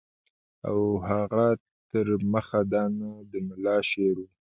او هغه تر مخه دانه د ملا شعر وو.